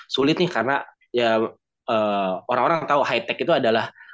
sulit nih karena ya orang orang tahu high tech itu adalah